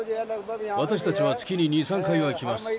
私たちは月に２、３回は来ます。